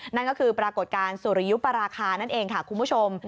นั่นก็คือปรากฏการณ์สุริยุปราคานั่นเองค่ะคุณผู้ชม